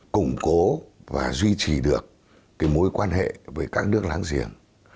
củng cố và duy trì được mối quan hệ với các nước láng giềng